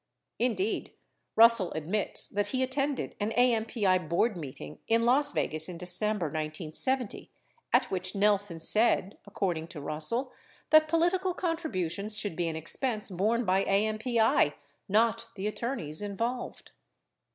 Indeed, Russell admits that he at tended an AMPI board meeting in Las Vegas in December 1970, at which Nelson said, according to Russell, that political contributions should be an expense borne by AMPI, not the attorneys involved.